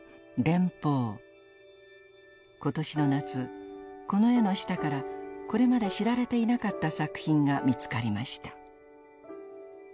今年の夏この絵の下からこれまで知られていなかった作品が見つかりました。